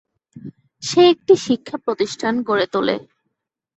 সে একটি শিক্ষা প্রতিষ্ঠান গড়ে তোলে।